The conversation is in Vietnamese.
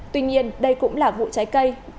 tuy nhiên đây cũng là vụ trái cây